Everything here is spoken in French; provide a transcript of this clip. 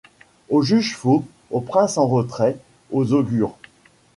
Au juge, faux, au prince en retraite, aux augures